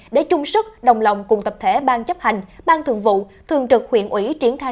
để chung sức đồng lòng cùng tập thể ban chấp hành ban thường vụ thường trực huyện ủy triển khai